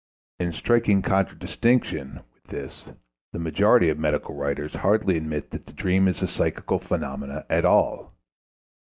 In striking contradiction with this the majority of medical writers hardly admit that the dream is a psychical phenomenon at all.